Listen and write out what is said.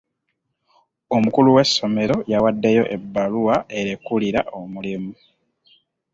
Omukulu w'essomero yawaddeyo ebbaluwa erekulira omulimu.